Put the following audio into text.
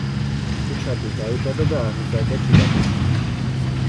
რიჩარდი დაიბადა და აღიზარდა ჩიკაგოში.